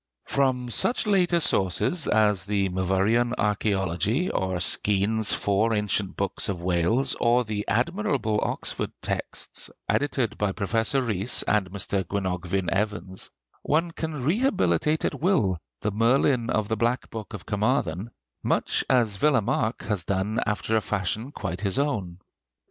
From such later sources as the 'Myvyrian Archæology,' or Skene's 'Four Ancient Books of Wales,' or the admirable Oxford texts edited by Professor Rhys and Mr. Gwenogfvyn Evans, one can rehabilitate at will the Merlin of the 'Black Book of Carmarthen,' much as Villemarqué has done after a fashion quite his own.